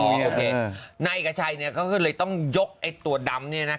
อ๋อโอเคในกระชัยเนี่ยเขาเลยต้องยกตัวดำนี้นะ